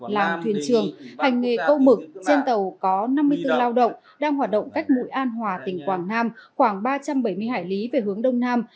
hành nghề câu mực trên tàu có năm mươi tương lao động đang hoạt động cách mũi an hòa tỉnh quảng nam khoảng ba trăm bảy mươi hải lý về hướng đông nam